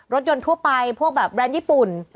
รถยนต์ทั่วไปพวกแบบแบรนด์ญี่ปุ่น